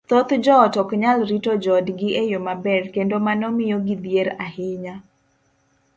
thoth joot ok nyal rito joodgi e yo maber, kendo mano miyo gidhier ahinya.